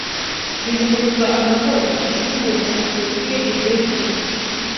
Rimubuza amahoro. Iyo umuntu atumviye iryo jwi